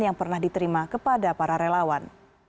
yang pernah diterima kepada para relawan